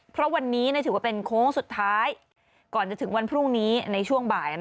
เพราะวันนี้ถือว่าเป็นโค้งสุดท้ายก่อนจะถึงวันพรุ่งนี้ในช่วงบ่าย